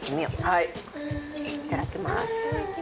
いただきます。